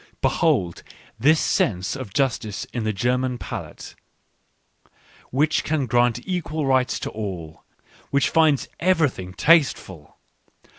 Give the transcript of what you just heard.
Behold this sense of justice in the German palate, which can grant equal rights to all, — which finds everything tasteful